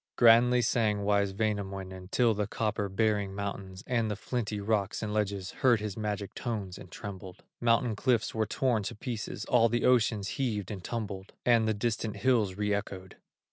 Grandly sang wise Wainamoinen, Till the copper bearing mountains, And the flinty rocks and ledges Heard his magic tones and trembled; Mountain cliffs were torn to pieces, All the ocean heaved and tumbled; And the distant hills re echoed.